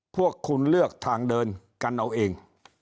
พวกคุณเลือกทางเดินกันเอาเอง